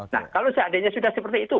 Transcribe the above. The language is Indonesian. nah kalau seandainya sudah seperti itu